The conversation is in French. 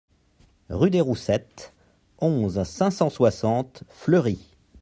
Rue des Roussettes, onze, cinq cent soixante Fleury